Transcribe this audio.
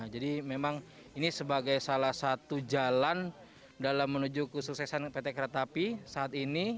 jadi memang ini sebagai salah satu jalan dalam menuju kesuksesan pt kereta api saat ini